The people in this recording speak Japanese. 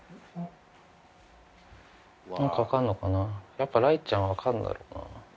やっぱ雷ちゃん分かるんだろうな。